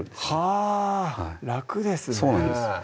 はぁ楽ですね